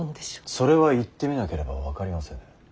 それは行ってみなければ分かりませぬ。